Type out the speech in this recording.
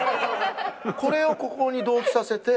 これをここに同期させて。